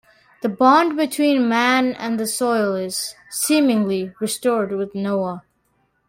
The bond between man and the soil is, seemingly, restored with Noah.